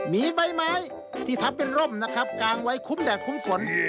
มีใบไม้ที่ทำเป็นร่มนะครับกางไว้คุ้มแดดคุ้มฝน